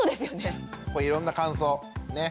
いろんな感想ね。